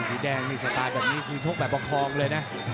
สีแดงมีสตาร์ทแบบนี้มีโชคแบบออกคลองเลยนะ